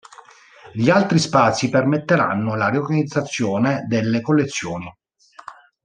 Gli altri spazi permetteranno la riorganizzazione delle collezioni.